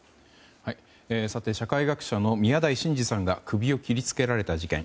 社会学者の宮台真司さんが首を切りつけられた事件。